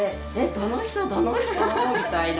どの人？みたいな。